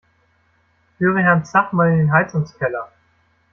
Führe Herrn Zach mal in den Heizungskeller!